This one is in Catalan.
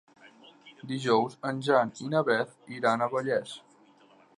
Dijous en Jan i na Beth iran a Vallés.